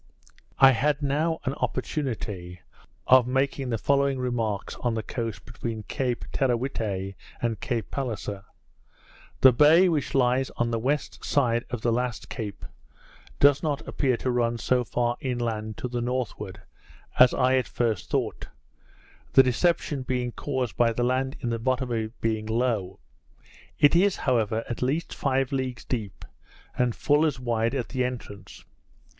I had now an opportunity of making the following remarks on the coast between Cape Teerawhitte and Cape Palliser: The bay which lies on the west side of the last Cape, does not appear to run so far inland to the northward as I at first thought; the deception being caused by the land in the bottom of it being low: It is, however, at least five leagues deep, and full as wide at the entrance.